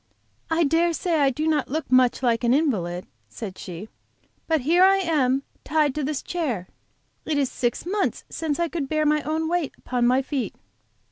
"I dare say I do not look much like an invalid," said she; "but here I am, tied to this chair. It is six months since I could bear my own weight upon my feet."